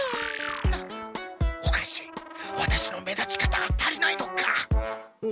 おかしいワタシの目立ち方が足りないのか？